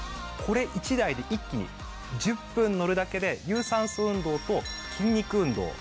これ１台で一気に１０分乗るだけで有酸素運動と筋肉運動